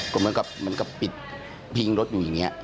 ก็เหมือนกับมันก็ปิดพิงรถอยู่อย่างเงี้ย